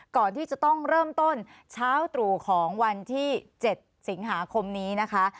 ก่อนที่จะต้องเริ่มต้นเช้าตรู่ของวันที่๗สิงหาคมนี้นะคะ